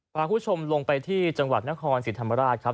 พาคุณผู้ชมลงไปที่จังหวัดนครศรีธรรมราชครับ